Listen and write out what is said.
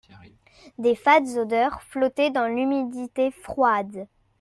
De fades odeurs flottaient dans l'humidité froide.